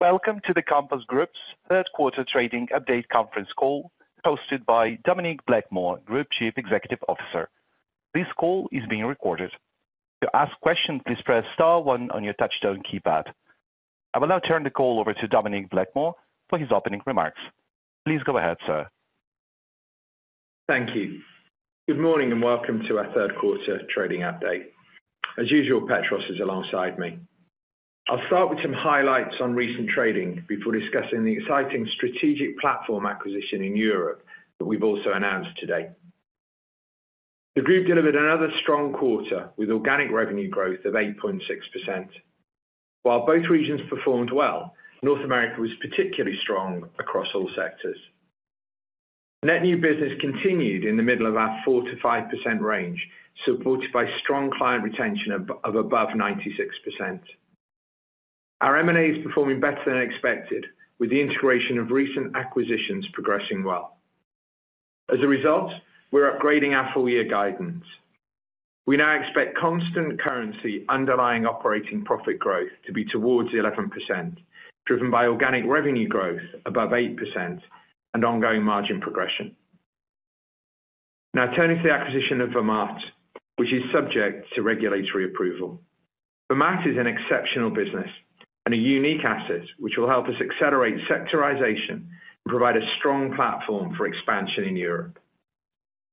Welcome to the Compass Group's third quarter trading update conference call, hosted by Dominic Blakemore, Group Chief Executive Officer. This call is being recorded. To ask questions, please press star one on your touchstone keypad. I will now turn the call over to Dominic Blakemore for his opening remarks. Please go ahead, sir. Thank you. Good morning and welcome to our third quarter trading update. As usual, Petros is alongside me. I'll start with some highlights on recent trading before discussing the exciting strategic platform acquisition in Europe that we've also announced today. The group delivered another strong quarter with organic revenue growth of 8.6%. While both regions performed well, North America was particularly strong across all sectors. Net new business continued in the middle of our 4%-5% range, supported by strong client retention of above 96%. Our M&A is performing better than expected, with the integration of recent acquisitions progressing well. As a result, we're upgrading our full-year guidance. We now expect constant currency underlying operating profit growth to be towards 11%, driven by organic revenue growth above 8% and ongoing margin progression. Now, turning to the acquisition of Vermaat, which is subject to regulatory approval. Vermaat is an exceptional business and a unique asset which will help us accelerate sectorization and provide a strong platform for expansion in Europe.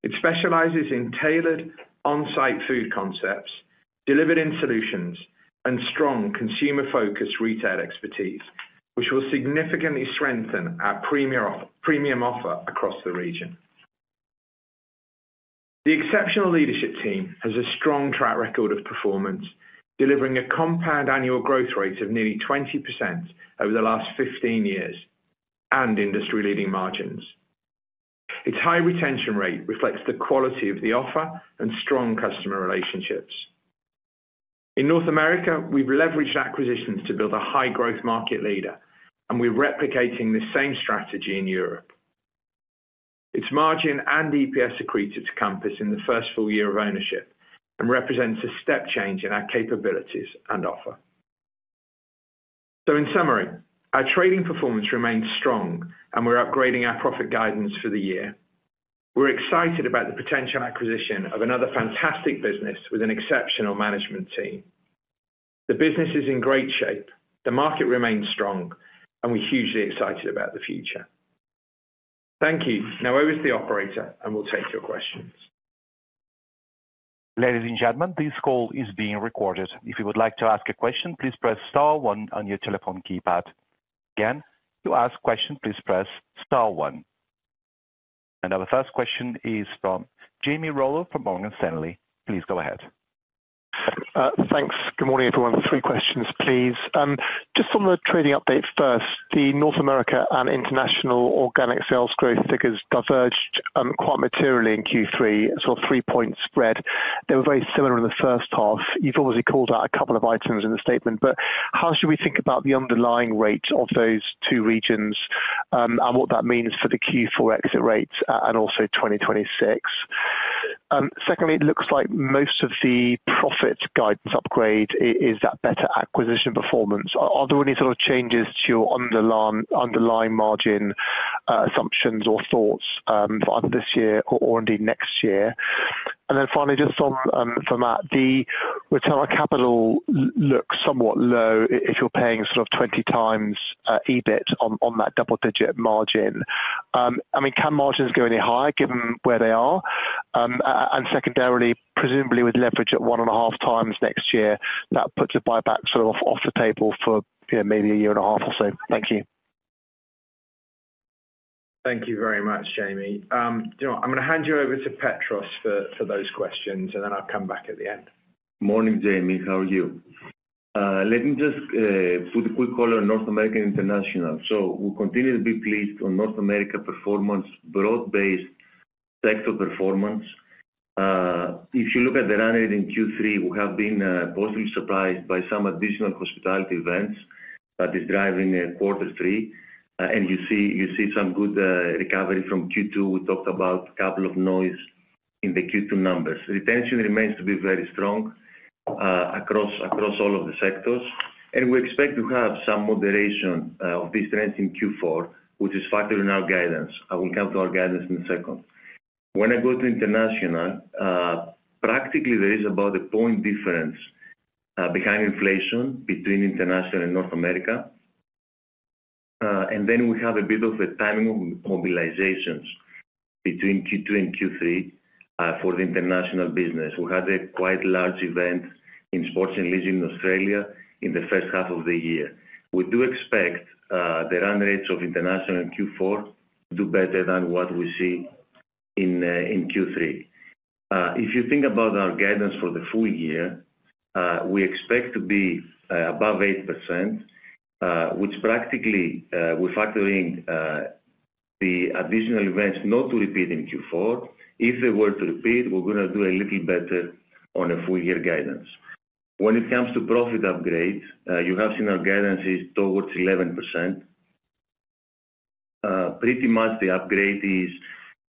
It specializes in tailored on-site food concepts, delivered-in solutions, and strong consumer-focused retail expertise, which will significantly strengthen our premium offer across the region. The exceptional leadership team has a strong track record of performance, delivering a compound annual growth rate of nearly 20% over the last 15 years and industry-leading margins. Its high retention rate reflects the quality of the offer and strong customer relationships. In North America, we've leveraged acquisitions to build a high-growth market leader, and we're replicating the same strategy in Europe. Its margin and EPS accretive to Compass in the first full year of ownership and represents a step change in our capabilities and offer. In summary, our trading performance remains strong, and we're upgrading our profit guidance for the year. We're excited about the potential acquisition of another fantastic business with an exceptional management team. The business is in great shape, the market remains strong, and we're hugely excited about the future. Thank you. Now, over to the operator, and we'll take your questions. Ladies and gentlemen, this call is being recorded. If you would like to ask a question, please press star one on your telephone keypad. Again, to ask a question, please press star one. Our first question is from Jamie Rollo from Morgan Stanley. Please go ahead. Thanks. Good morning, everyone. Three questions, please. Just on the trading update first, the North America and international organic sales growth figures diverged quite materially in Q3, so a three-point spread. They were very similar in the first half. You've obviously called out a couple of items in the statement, but how should we think about the underlying rate of those two regions and what that means for the Q4 exit rate and also 2026? Secondly, it looks like most of the profit guidance upgrade is that better acquisition performance. Are there any sort of changes to your underlying margin assumptions or thoughts for either this year or indeed next year? And then finally, just on Vermaat, the return on capital looks somewhat low if you're paying sort of 20x EBIT on that double-digit margin. I mean, can margins go any higher given where they are? And secondarily, presumably with leverage at 1.5x next year, that puts a buyback sort of off the table for maybe a year and a half or so. Thank you. Thank you very much, Jamie. I'm going to hand you over to Petros for those questions, and then I'll come back at the end. Morning, Jamie. How are you? Let me just put a quick color on North America and international. We continue to be pleased on North America performance, broad-based sector performance. If you look at the run rate in Q3, we have been positively surprised by some additional hospitality events that are driving quarter three. You see some good recovery from Q2. We talked about a couple of noise in the Q2 numbers. Retention remains to be very strong across all of the sectors. We expect to have some moderation of these trends in Q4, which is factored in our guidance. I will come to our guidance in a second. When I go to international, practically, there is about a point difference behind inflation between international and North America. Then we have a bit of a timing of mobilizations between Q2 and Q3 for the international business. We had a quite large event in sports and leisure in Australia in the first half of the year. We do expect the run rates of international in Q4 to do better than what we see in Q3. If you think about our guidance for the full year, we expect to be above 8%. Which practically, we're factoring the additional events not to repeat in Q4. If they were to repeat, we're going to do a little better on a full-year guidance. When it comes to profit upgrades, you have seen our guidance is towards 11%. Pretty much the upgrade is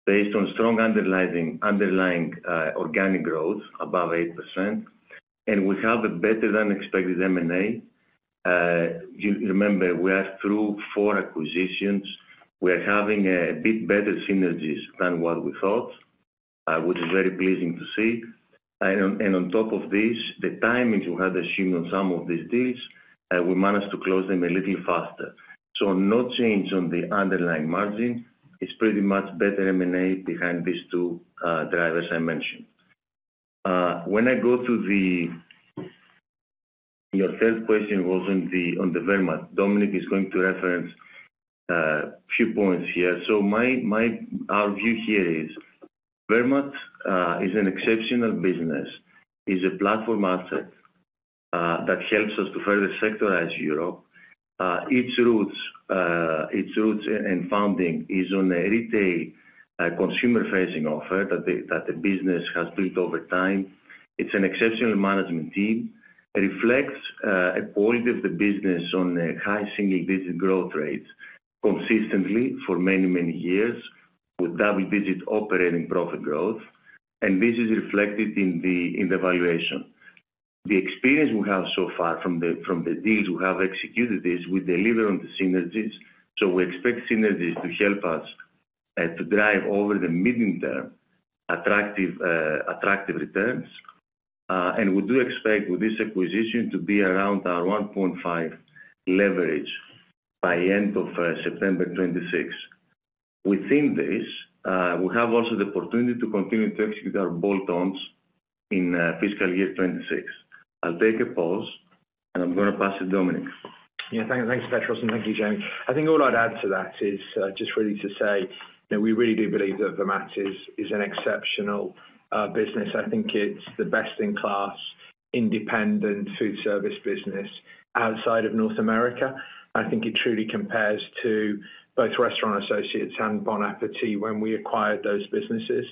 based on strong underlying organic growth above 8%. We have a better-than-expected M&A. Remember, we are through four acquisitions. We are having a bit better synergies than what we thought, which is very pleasing to see. On top of this, the timing we had assumed on some of these deals, we managed to close them a little faster. No change on the underlying margin is pretty much better M&A behind these two drivers I mentioned. When I go to the, your third question was on the Vermaat. Dominic is going to reference a few points here. Our view here is Vermaat is an exceptional business. It's a platform asset that helps us to further sectorize Europe. Its roots and founding is on a retail consumer-facing offer that the business has built over time. It's an exceptional management team. It reflects a point of the business on high single-digit growth rates consistently for many, many years with double-digit operating profit growth. This is reflected in the valuation. The experience we have so far from the deals we have executed is we deliver on the synergies. We expect synergies to help us to drive over the medium-term attractive returns. We do expect with this acquisition to be around our 1.5 leverage by the end of September 2026. Within this, we have also the opportunity to continue to execute our bolt-ons in fiscal year 2026. I'll take a pause, and I'm going to pass it to Dominic. Yeah, thanks, Petros. And thank you, Jamie. I think all I'd add to that is just really to say we really do believe that Vermaat is an exceptional business. I think it's the best-in-class independent food service business outside of North America. I think it truly compares to both Restaurant Associates and Bon Appétit when we acquired those businesses.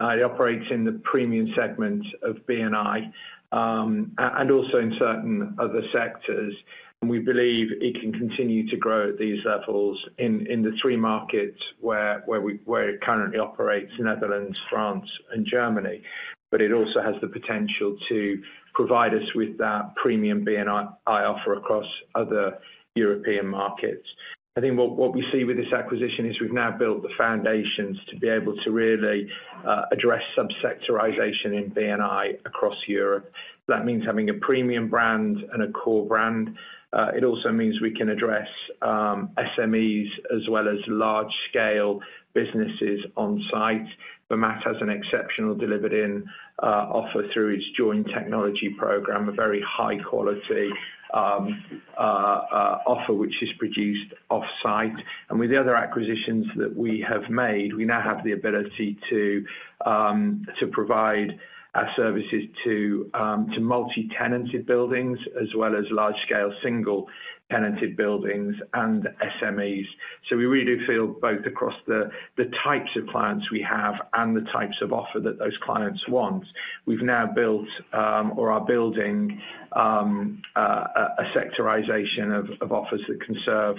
It operates in the premium segment of B&I. And also in certain other sectors. We believe it can continue to grow at these levels in the three markets where it currently operates: Netherlands, France, and Germany. It also has the potential to provide us with that premium B&I offer across other European markets. I think what we see with this acquisition is we've now built the foundations to be able to really address subsectorization in B&I across Europe. That means having a premium brand and a core brand. It also means we can address SMEs as well as large-scale businesses on site. Vermaat has an exceptional delivered-in offer through its joint technology program, a very high-quality offer which is produced off-site. With the other acquisitions that we have made, we now have the ability to provide our services to multi-tenanted buildings as well as large-scale single-tenanted buildings and SMEs. We really do feel both across the types of clients we have and the types of offer that those clients want. We've now built, or are building, a sectorization of offers that can serve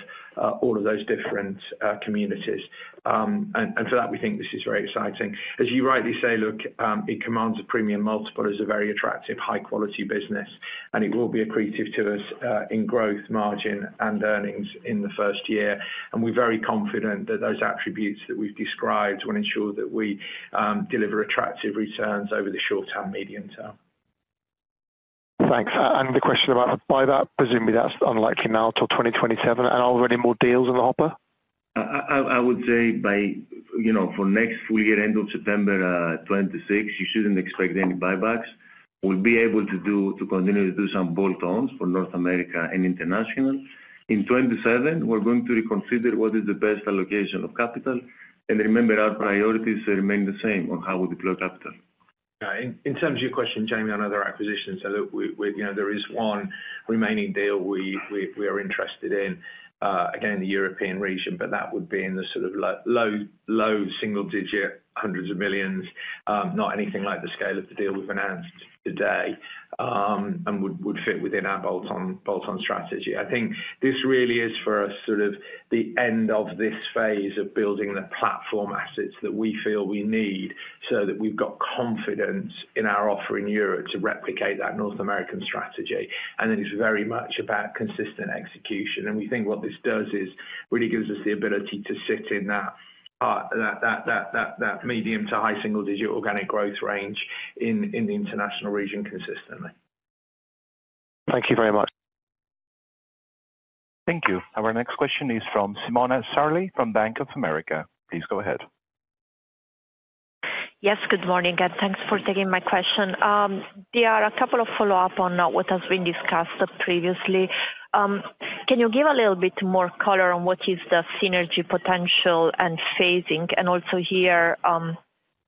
all of those different communities. For that, we think this is very exciting. As you rightly say, look, it commands a premium multiple as a very attractive, high-quality business. It will be accretive to us in growth, margin, and earnings in the first year. We're very confident that those attributes that we've described will ensure that we deliver attractive returns over the short term, medium term. Thanks. The question about buyback, presumably that's unlikely now till 2027. Are there any more deals on the hopper? I would say. For next full year, end of September 2026, you should not expect any buybacks. We will be able to continue to do some bolt-ons for North America and international. In 2027, we are going to reconsider what is the best allocation of capital. Remember, our priorities remain the same on how we deploy capital. Yeah. In terms of your question, Jamie, on other acquisitions, there is one remaining deal we are interested in, again, in the European region, but that would be in the sort of low single-digit hundreds of millions, not anything like the scale of the deal we have announced today. It would fit within our bolt-on strategy. I think this really is for us sort of the end of this phase of building the platform assets that we feel we need so that we have got confidence in our offer in Europe to replicate that North American strategy. It is very much about consistent execution. We think what this does is really gives us the ability to sit in that medium to high single-digit organic growth range in the international region consistently. Thank you very much. Thank you. Our next question is from Simona Sarli from Bank of America. Please go ahead. Yes, good morning. Thanks for taking my question. There are a couple of follow-ups on what has been discussed previously. Can you give a little bit more color on what is the synergy potential and phasing? Also,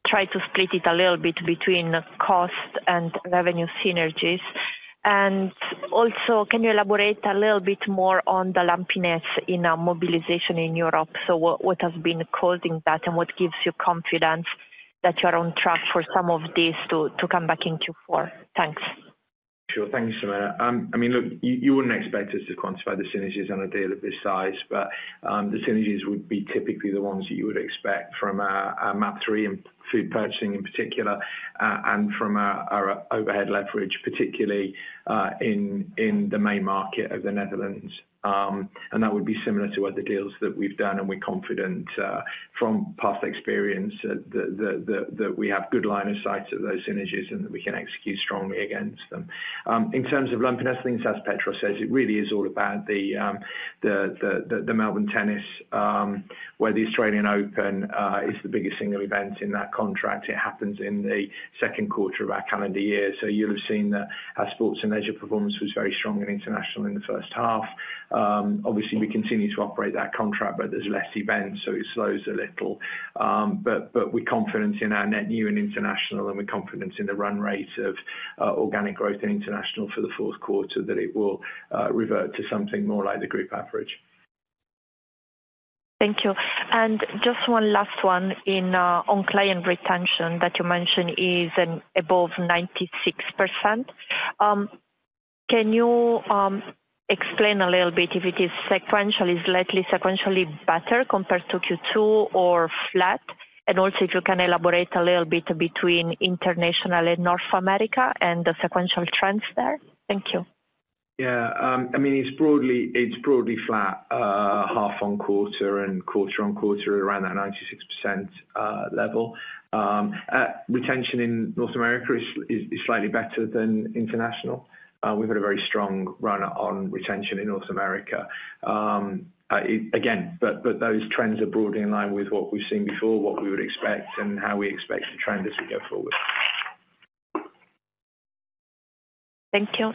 try to split it a little bit between cost and revenue synergies. Also, can you elaborate a little bit more on the lumpiness in mobilization in Europe? What has been causing that and what gives you confidence that you are on track for some of these to come back in Q4? Thanks. Sure. Thank you, Simona. I mean, look, you would not expect us to quantify the synergies on a deal of this size, but the synergies would be typically the ones that you would expect from our MAP 3 and food purchasing in particular, and from our overhead leverage, particularly in the main market of the Netherlands. That would be similar to what the deals that we have done, and we are confident from past experience that we have good line of sight of those synergies and that we can execute strongly against them. In terms of lumpiness, I think, as Petros says, it really is all about the Melbourne tennis, where the Australian Open is the biggest single event in that contract. It happens in the second quarter of our calendar year. You will have seen that our sports and leisure performance was very strong in international in the first half. Obviously, we continue to operate that contract, but there are fewer events, so it slows a little. We are confident in our net new in international, and we are confident in the run rates of organic growth in international for the fourth quarter that it will revert to something more like the group average. Thank you. Just one last one on client retention that you mentioned is above 96%. Can you explain a little bit if it is slightly sequentially better compared to Q2 or flat? Also, if you can elaborate a little bit between International and North America and the sequential trends there? Thank you. Yeah. I mean, it's broadly flat, half-on-quarter and quarter-on-quarter around that 96% level. Retention in North America is slightly better than international. We've had a very strong run on retention in North America. Again, those trends are broadly in line with what we've seen before, what we would expect, and how we expect to trend as we go forward. Thank you.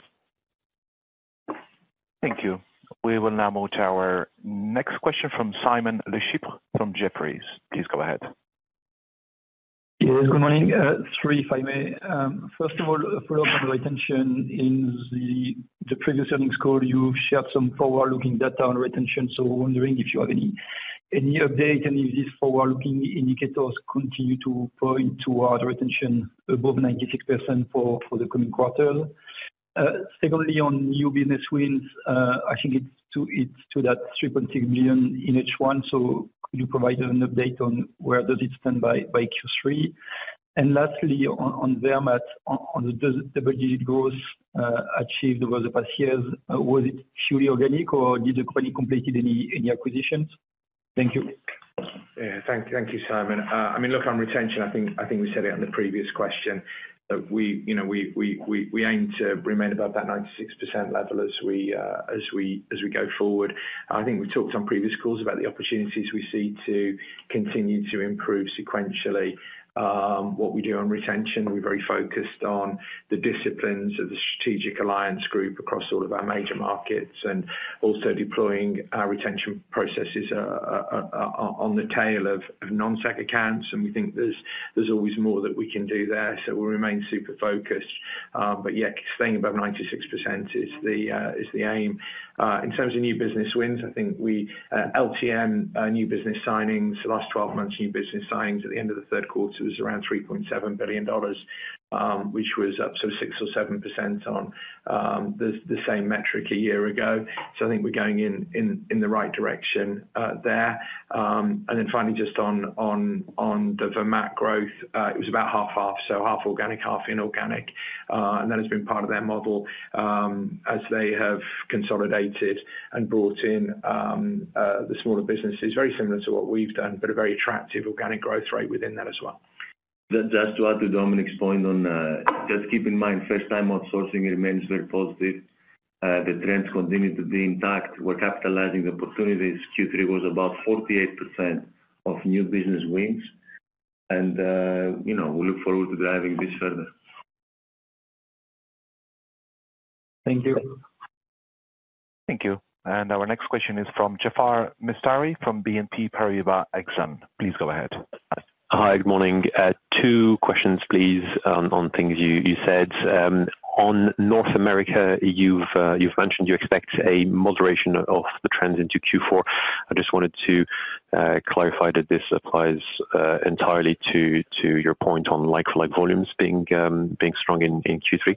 Thank you. We will now move to our next question from Simon Lechipre from Jefferies. Please go ahead. Yes, good morning. Three, if I may. First of all, follow-up on retention. In the previous earnings call, you shared some forward-looking data on retention. So wondering if you have any update and if these forward-looking indicators continue to point toward retention above 96% for the coming quarter. Secondly, on new business wins, I think it's to that $3.6 million in H1. So could you provide an update on where does it stand by Q3? And lastly, on Vermaat, on the double-digit growth achieved over the past years, was it purely organic or did the company complete any acquisitions? Thank you. Yeah. Thank you, Simon. I mean, look, on retention, I think we said it on the previous question that we aim to remain above that 96% level as we go forward. I think we've talked on previous calls about the opportunities we see to continue to improve sequentially. What we do on retention, we're very focused on the disciplines of the strategic alliance group across all of our major markets and also deploying our retention processes on the tail of non-sec accounts. We think there's always more that we can do there. We remain super focused. Yeah, staying above 96% is the aim. In terms of new business wins, I think LTM, new business signings, last 12 months new business signings at the end of the third quarter was around $3.7 billion, which was up 6-7% on the same metric a year ago. I think we're going in the right direction there. Finally, just on the Vermaat growth, it was about half-half, so half organic, half inorganic, and that has been part of their model as they have consolidated and brought in the smaller businesses. Very similar to what we've done, but a very attractive organic growth rate within that as well. That's right. To Dominic's point on, just keep in mind, first-time outsourcing remains very positive. The trends continue to be intact. We're capitalizing the opportunities. Q3 was about 48% of new business wins. We look forward to driving this further. Thank you. Thank you. Our next question is from Jaafar Mestari from BNP Paribas Exane. Please go ahead. Hi, good morning. Two questions, please, on things you said. On North America, you've mentioned you expect a moderation of the trends into Q4. I just wanted to clarify that this applies entirely to your point on like-for-like volumes being strong in Q3.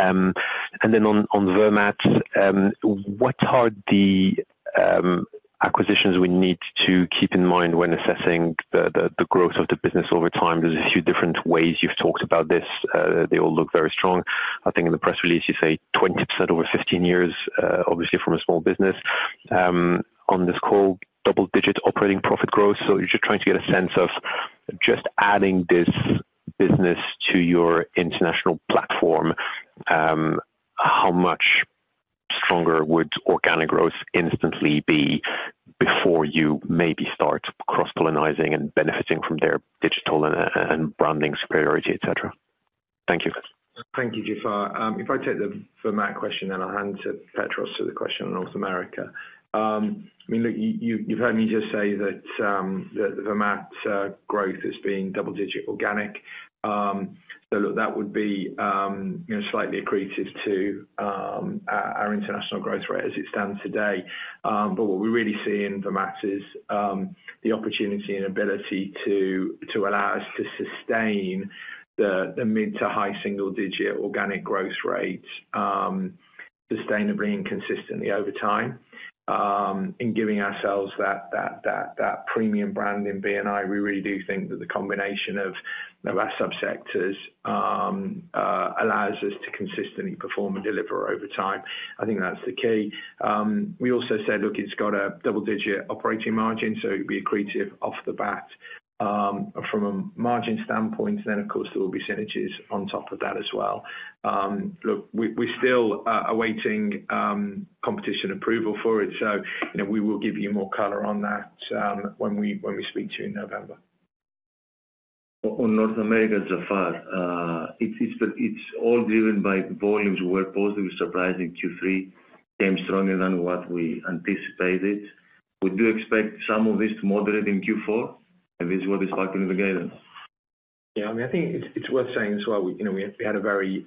On Vermaat, what are the acquisitions we need to keep in mind when assessing the growth of the business over time? There are a few different ways you've talked about this. They all look very strong. I think in the press release, you say 20% over 15 years, obviously from a small business. On this call, double-digit operating profit growth. Just trying to get a sense of just adding this business to your international platform, how much stronger would organic growth instantly be before you maybe start cross-pollinizing and benefiting from their digital and branding superiority, etc.? Thank you. Thank you, Jaafar. If I take the Vermaat question, then I'll hand to Petros for the question on North America. I mean, look, you've heard me just say that. The Vermaat growth has been double-digit organic. That would be slightly accretive to our international growth rate as it stands today. What we really see in Vermaat is the opportunity and ability to allow us to sustain the mid- to high single-digit organic growth rates sustainably and consistently over time. In giving ourselves that premium brand in B&I, we really do think that the combination of our subsectors allows us to consistently perform and deliver over time. I think that's the key. We also said it has a double-digit operating margin, so it would be accretive off the bat from a margin standpoint. Then, of course, there will be synergies on top of that as well. We're still awaiting competition approval for it, so we will give you more color on that when we speak to you in November. On North America, Jaafar, it's all driven by volumes were positively surprising. Q3 came stronger than what we anticipated. We do expect some of this to moderate in Q4. And this is what is factored in the guidance. Yeah. I mean, I think it's worth saying as well, we had a very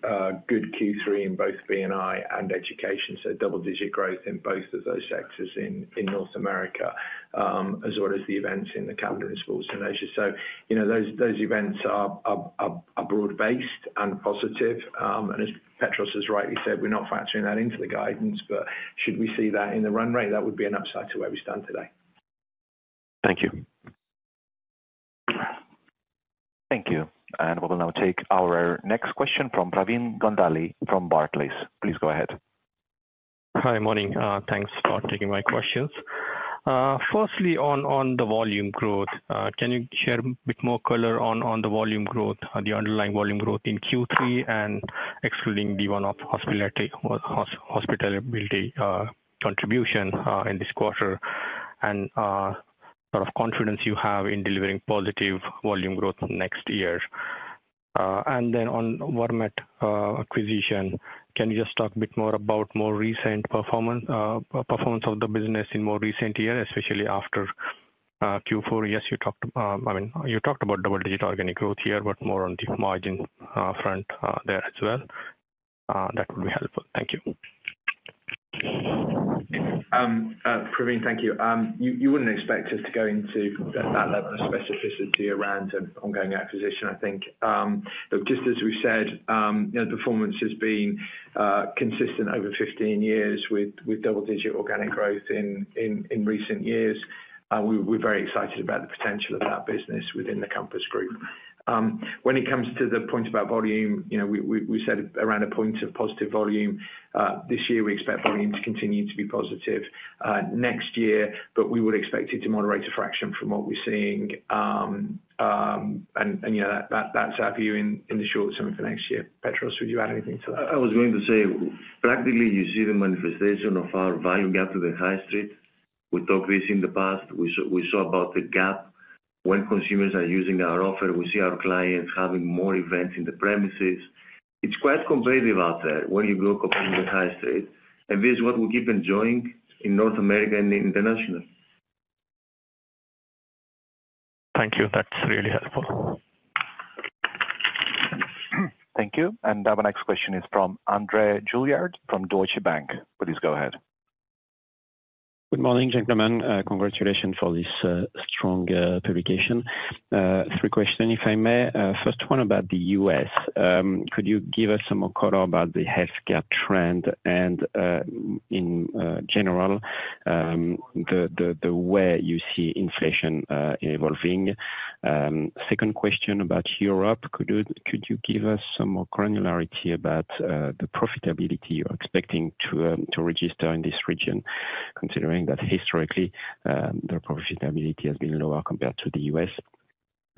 good Q3 in both B&I and education. So double-digit growth in both of those sectors in North America. As well as the events in the calendar in sports and leisure. Those events are broad-based and positive. And as Petros has rightly said, we're not factoring that into the guidance. Should we see that in the run rate, that would be an upside to where we stand today. Thank you. Thank you. We will now take our next question from Pravin Gondhale from Barclays. Please go ahead. Hi, morning. Thanks for taking my questions. Firstly, on the volume growth, can you share a bit more color on the volume growth, the underlying volume growth in Q3, and excluding the one-off hospitality contribution in this quarter, and sort of confidence you have in delivering positive volume growth next year. On the Vermaat acquisition, can you just talk a bit more about more recent performance of the business in more recent years, especially after Q4? Yes, you talked about double-digit organic growth here, but more on the margin front there as well. That would be helpful. Thank you. Pravin, thank you. You would not expect us to go into that level of specificity around ongoing acquisition, I think. Look, just as we have said, the performance has been consistent over 15 years with double-digit organic growth in recent years. We are very excited about the potential of that business within the Compass Group. When it comes to the point about volume, we said around a point of positive volume. This year, we expect volume to continue to be positive next year, but we would expect it to moderate a fraction from what we are seeing. That is our view in the short term for next year. Petros, would you add anything to that? I was going to say, practically, you see the manifestation of our value gap to the high street. We talked this in the past. We saw about the gap when consumers are using our offer. We see our clients having more events in the premises. It's quite competitive out there when you go compared to the high street. This is what we keep enjoying in North America and international. Thank you. That's really helpful. Thank you. Our next question is from André Juillard from Deutsche Bank. Please go ahead. Good morning, gentlemen. Congratulations for this strong publication. Three questions, if I may. First one about the U.S. Could you give us some more color about the healthcare trend and, in general, the way you see inflation evolving? Second question about Europe. Could you give us some more granularity about the profitability you're expecting to register in this region, considering that historically their profitability has been lower compared to the U.S.?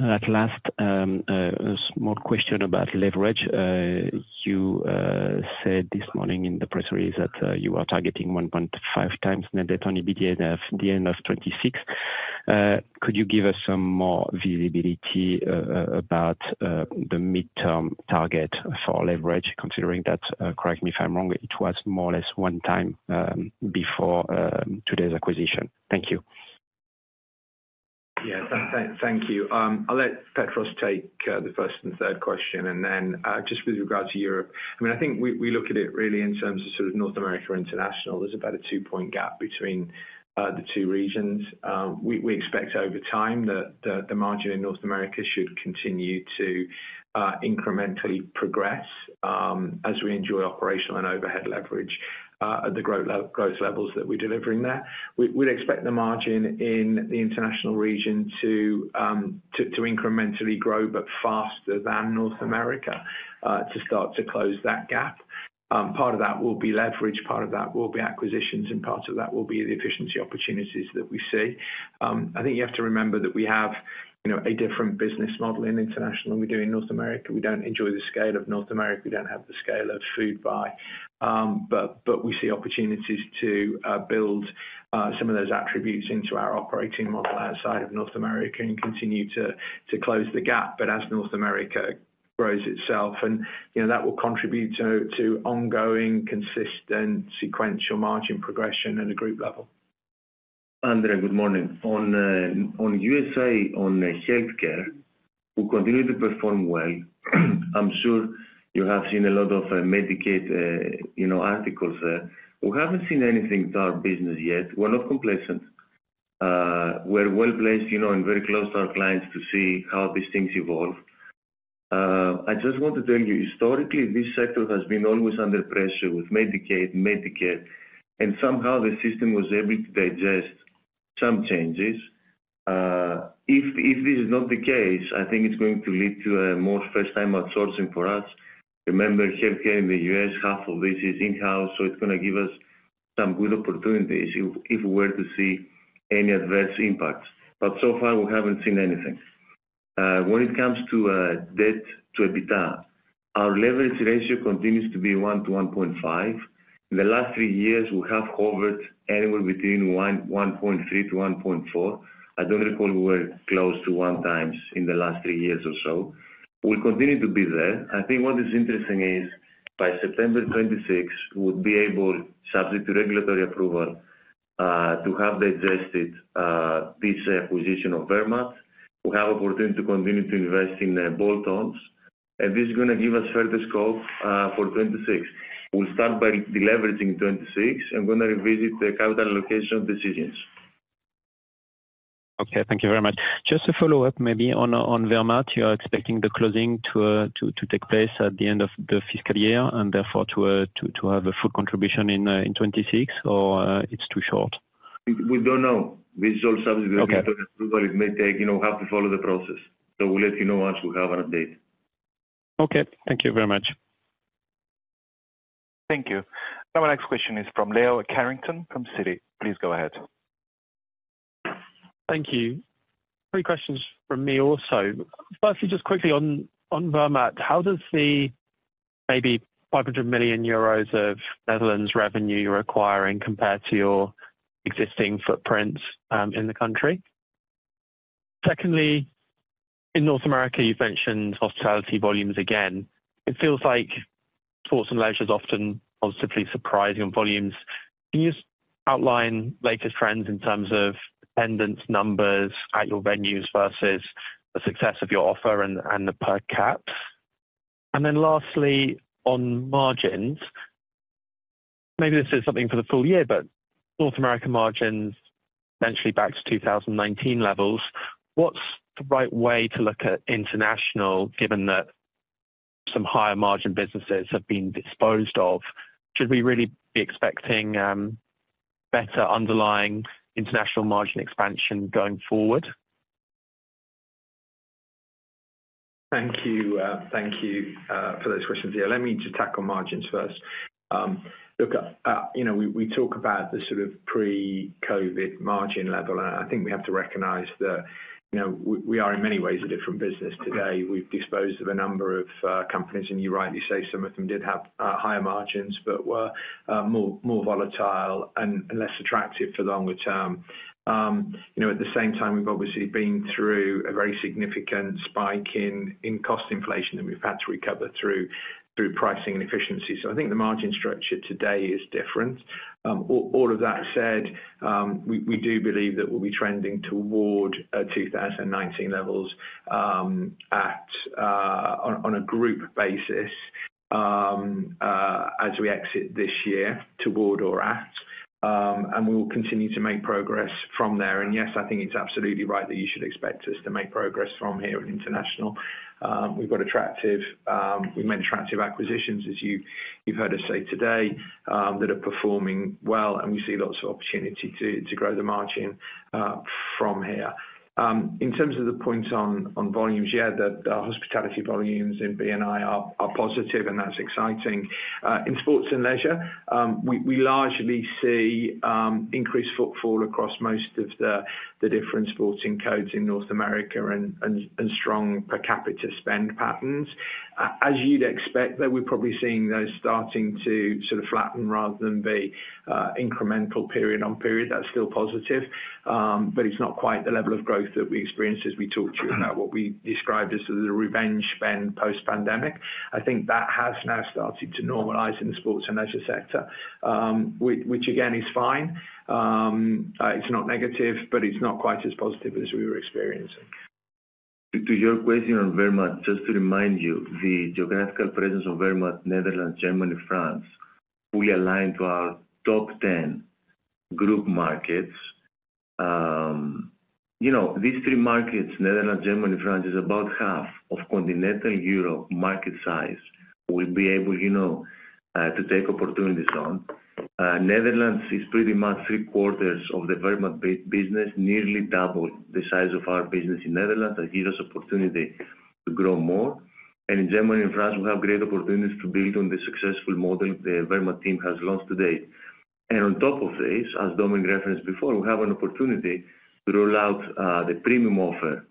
At last, a small question about leverage. You said this morning in the press release that you are targeting 1.5x net debt-to-EBITDA at the end of 2026. Could you give us some more visibility about the mid-term target for leverage, considering that, correct me if I'm wrong, it was more or less one time before today's acquisition? Thank you. Yeah. Thank you. I'll let Petros take the first and third question. And then just with regard to Europe, I mean, I think we look at it really in terms of sort of North America and international. There's about a two-point gap between the two regions. We expect over time that the margin in North America should continue to incrementally progress as we enjoy operational and overhead leverage at the growth levels that we're delivering there. We'd expect the margin in the international region to incrementally grow, but faster than North America to start to close that gap. Part of that will be leverage. Part of that will be acquisitions. And part of that will be the efficiency opportunities that we see. I think you have to remember that we have a different business model in international than we do in North America. We don't enjoy the scale of North America. We don't have the scale of Foodbuy. But we see opportunities to build some of those attributes into our operating model outside of North America and continue to close the gap. But as North America grows itself, and that will contribute to ongoing, consistent, sequential margin progression at a group level. Andrea, good morning. On U.S.A., on healthcare, we continue to perform well. I'm sure you have seen a lot of Medicaid articles there. We haven't seen anything to our business yet. We're not complacent. We're well placed and very close to our clients to see how these things evolve. I just want to tell you, historically, this sector has been always under pressure with Medicaid, Medicare. And somehow the system was able to digest some changes. If this is not the case, I think it's going to lead to more first-time outsourcing for us. Remember, healthcare in the U.S., half of this is in-house. It is going to give us some good opportunities if we were to see any adverse impacts. So far, we haven't seen anything. When it comes to debt-to-EBITDA, our leverage ratio continues to be 1.0x-1.5x. In the last three years, we have hovered anywhere between 1.3x-1.4x. I don't recall we were close to one times in the last three years or so. We'll continue to be there. I think what is interesting is by September 2026, we would be able, subject to regulatory approval, to have digested this acquisition of Vermaat. We have the opportunity to continue to invest in bolt-ons. This is going to give us further scope for 2026. We'll start by deleveraging 2026 and going to revisit the capital allocation decisions. Okay. Thank you very much. Just to follow up, maybe on Vermaat, you are expecting the closing to take place at the end of the fiscal year and therefore to have a full contribution in 2026, or it's too short? We don't know. This is all subject to regulatory approval. It may take, we have to follow the process. We'll let you know once we have an update. Okay. Thank you very much. Thank you. Our next question is from Leo Carrington from Citi. Please go ahead. Thank you. Three questions from me also. Firstly, just quickly on Vermaat, how does the maybe 500 million euros of Netherlands revenue you're acquiring compare to your existing footprint in the country? Secondly. In North America, you've mentioned hospitality volumes again. It feels like sports and leisure is often positively surprising on volumes. Can you outline latest trends in terms of attendance numbers at your venues versus the success of your offer and the per caps? And then lastly, on margins. Maybe this is something for the full year, but North America margins essentially back to 2019 levels. What's the right way to look at international, given that. Some higher margin businesses have been disposed of? Should we really be expecting. Better underlying international margin expansion going forward? Thank you. Thank you for those questions. Yeah. Let me just tackle margins first. Look, we talk about the sort of pre-COVID margin level. I think we have to recognize that we are in many ways a different business today. We've disposed of a number of companies. You're right, you say some of them did have higher margins, but were more volatile and less attractive for the longer term. At the same time, we've obviously been through a very significant spike in cost inflation that we've had to recover through pricing and efficiency. I think the margin structure today is different. All of that said, we do believe that we'll be trending toward 2019 levels on a group basis as we exit this year toward or at, and we will continue to make progress from there. Yes, I think it's absolutely right that you should expect us to make progress from here in international. We've made attractive acquisitions, as you've heard us say today, that are performing well. We see lots of opportunity to grow the margin from here. In terms of the points on volumes, yeah, the hospitality volumes in B&I are positive, and that's exciting. In sports and leisure, we largely see increased footfall across most of the different sporting codes in North America and strong per capita spend patterns. As you'd expect, though, we're probably seeing those starting to sort of flatten rather than be incremental period-on-period. That's still positive, but it's not quite the level of growth that we experienced as we talked to you about what we described as the revenge spend post-pandemic. I think that has now started to normalize in the sports and leisure sector, which, again, is fine. It's not negative, but it's not quite as positive as we were experiencing. To your question on Vermaat, just to remind you, the geographical presence of Vermaat, Netherlands, Germany, France, fully aligned to our top 10 Group markets. These three markets, Netherlands, Germany, France, is about 1/2 of continental Europe market size. We'll be able to take opportunities on. Netherlands is pretty much 3/4 of the Vermaat business, nearly double the size of our business in Netherlands, and gives us opportunity to grow more. In Germany and France, we have great opportunities to build on the successful model the Vermaat team has launched today. On top of this, as Dominic referenced before, we have an opportunity to roll out the premium offer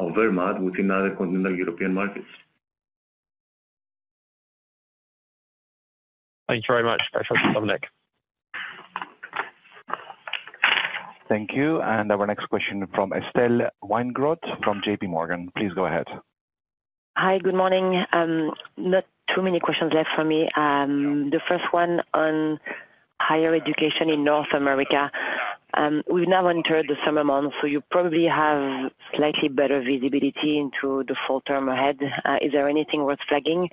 of Vermaat within other continental European markets. Thank you very much, Petros, Dominic. Thank you. Our next question from Estelle Weingrod from JPMorgan. Please go ahead. Hi, good morning. Not too many questions left for me. The first one on higher education in North America. We've now entered the summer months, so you probably have slightly better visibility into the full term ahead. Is there anything worth flagging?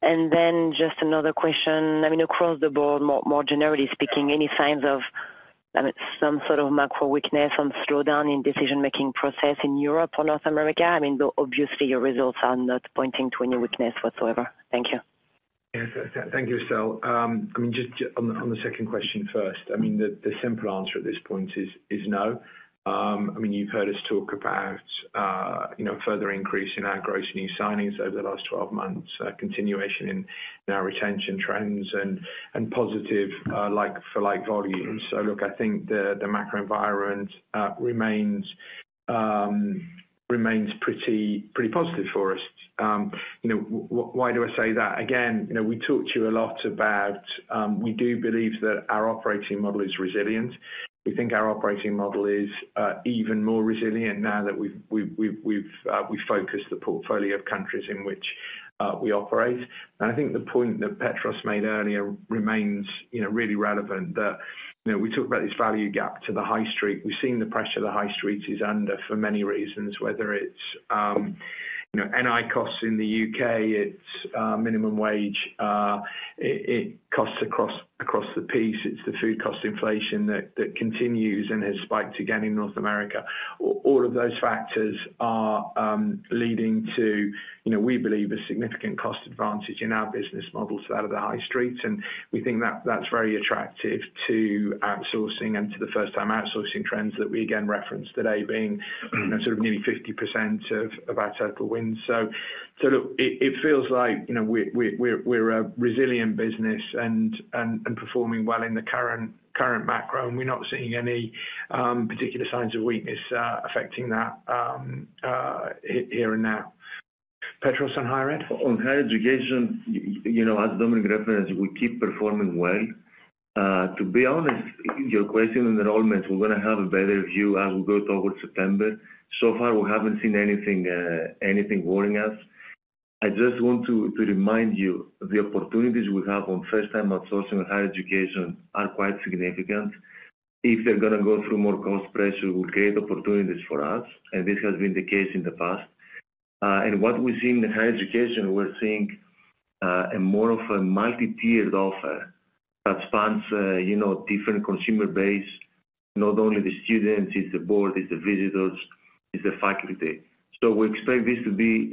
And then just another question. I mean, across the board, more generally speaking, any signs of some sort of macro weakness and slowdown in decision-making process in Europe or North America? I mean, obviously, your results are not pointing to any weakness whatsoever. Thank you. Thank you, Estelle. I mean, just on the second question first, I mean, the simple answer at this point is no. I mean, you've heard us talk about further increase in our gross new signings over the last 12 months, continuation in our retention trends, and positive like-for-like volumes. Look, I think the macro environment remains pretty positive for us. Why do I say that? Again, we talked to you a lot about we do believe that our operating model is resilient. We think our operating model is even more resilient now that we've focused the portfolio of countries in which we operate. I think the point that Petros made earlier remains really relevant that we talk about this value gap to the high street. We've seen the pressure the high street is under for many reasons, whether it's NI costs in the U.K., it's minimum wage, costs across the piece, it's the food cost inflation that continues and has spiked again in North America. All of those factors are leading to, we believe, a significant cost advantage in our business models out of the high street. We think that that's very attractive to outsourcing and to the first-time outsourcing trends that we, again, referenced today being sort of nearly 50% of our total wins. Look, it feels like we're a resilient business and performing well in the current macro. We're not seeing any particular signs of weakness affecting that here and now. Petros on higher ed? On higher education, as Dominic referenced, we keep performing well. To be honest, your question on enrollment, we're going to have a better view as we go towards September. So far, we haven't seen anything worrying us. I just want to remind you the opportunities we have on first-time outsourcing higher education are quite significant. If they're going to go through more cost pressure, it will create opportunities for us. This has been the case in the past. What we've seen in higher education, we're seeing more of a multi-tiered offer that spans different consumer base, not only the students. It's the Board. It's the visitors. It's the faculty. We expect this to be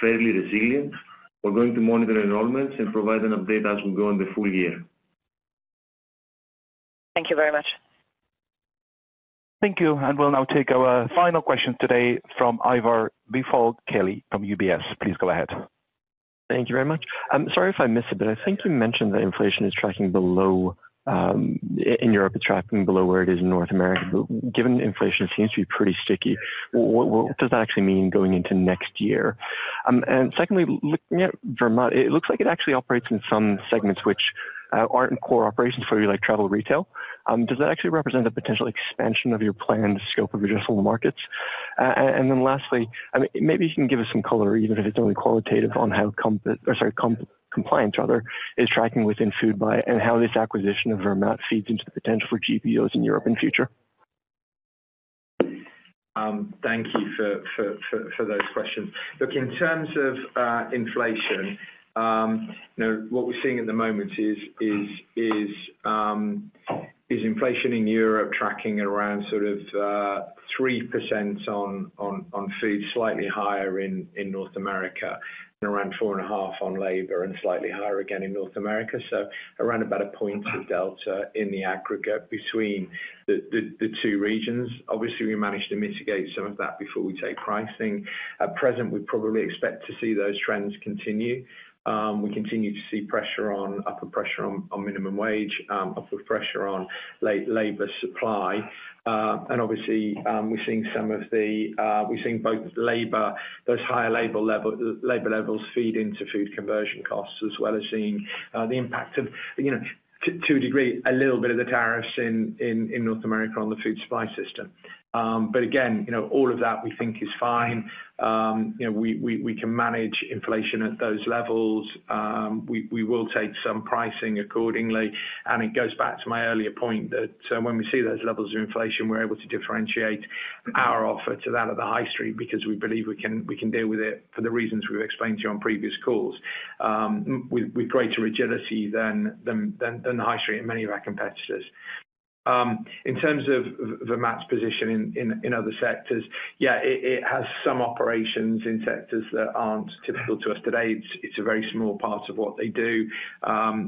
fairly resilient. We're going to monitor enrollments and provide an update as we go in the full year. Thank you very much. Thank you. We will now take our final question today from Ivar Billfalk-Kelly from UBS. Please go ahead. Thank you very much. Sorry if I missed it, but I think you mentioned that inflation is tracking below. In Europe, it's tracking below where it is in North America. Given inflation seems to be pretty sticky, what does that actually mean going into next year? Secondly, looking at Vermaat, it looks like it actually operates in some segments which aren't core operations for you, like travel retail. Does that actually represent a potential expansion of your planned scope of your digital markets? Lastly, I mean, maybe you can give us some color, even if it's only qualitative, on how compliance, rather, is tracking within Foodbuy and how this acquisition of Vermaat feeds into the potential for GPOs in Europe in the future? Thank you for those questions. Look, in terms of inflation, what we're seeing at the moment is inflation in Europe tracking around sort of 3% on food, slightly higher in North America, and around 4.5% on labor, and slightly higher again in North America. So around about a point of delta in the aggregate between the two regions. Obviously, we manage to mitigate some of that before we take pricing. At present, we probably expect to see those trends continue. We continue to see upward pressure on minimum wage, upward pressure on labor supply. Obviously, we're seeing both labor, those higher labor levels feed into food conversion costs, as well as seeing the impact of, to a degree, a little bit of the tariffs in North America on the food supply system. Again, all of that, we think, is fine. We can manage inflation at those levels. We will take some pricing accordingly. It goes back to my earlier point that when we see those levels of inflation, we're able to differentiate our offer to that of the high street because we believe we can deal with it for the reasons we've explained to you on previous calls, with greater rigidity than the high street and many of our competitors. In terms of Vermaat's position in other sectors, yeah, it has some operations in sectors that aren't typical to us today. It's a very small part of what they do.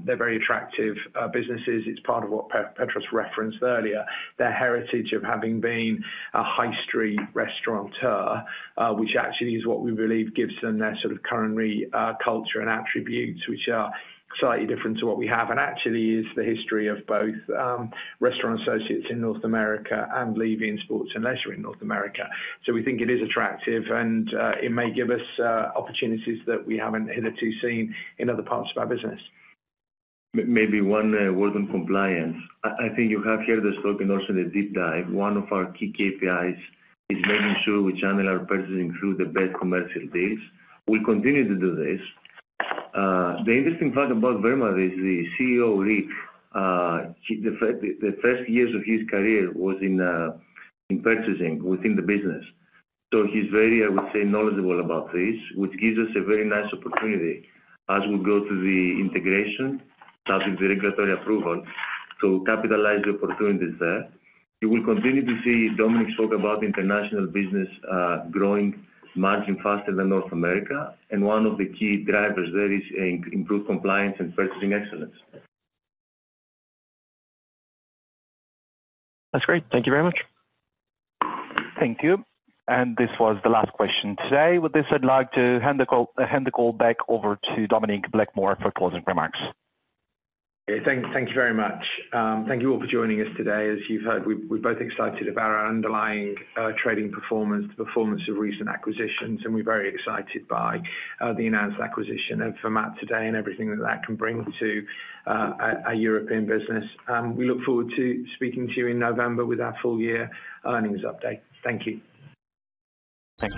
They're very attractive businesses. It's part of what Petros referenced earlier, their heritage of having been a high street restaurateur, which actually is what we believe gives them their sort of culture and attributes, which are slightly different to what we have, and actually is the history of both Restaurant Associates in North America and Levy in sports and leisure in North America. We think it is attractive, and it may give us opportunities that we haven't hitherto seen in other parts of our business. Maybe one word on compliance. I think you have heard the story in also the deep dive. One of our key KPIs is making sure we channel our purchasing through the best commercial deals. We'll continue to do this. The interesting fact about Vermaat is the CEO, Rick. The first years of his career was in purchasing within the business. So he's very, I would say, knowledgeable about this, which gives us a very nice opportunity as we go through the integration, starting with the regulatory approval to capitalize the opportunities there. You will continue to see Dominic talk about international business growing margin faster than North America. One of the key drivers there is improved compliance and purchasing excellence. That's great. Thank you very much. Thank you. This was the last question today. With this, I'd like to hand the call back over to Dominic Blakemore for closing remarks. Thank you very much. Thank you all for joining us today. As you've heard, we're both excited about our underlying trading performance, the performance of recent acquisitions. We are very excited by the announced acquisition of Vermaat today and everything that that can bring to our European business. We look forward to speaking to you in November with our full-year earnings update. Thank you. Thanks.